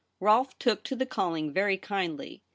Rolfe took to the calling very kindly.